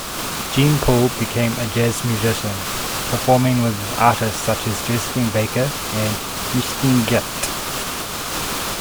Jean-Paul became a jazz musician, performing with artists such as Josephine Baker and Mistinguett.